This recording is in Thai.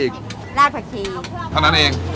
คอนั้นเอง